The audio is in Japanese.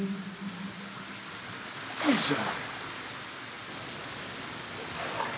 よいしょ。